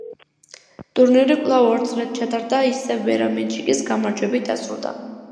ტურნირი კვლავ ორ წრედ ჩატარდა და ისევ ვერა მენჩიკის გამარჯვებით დასრულდა.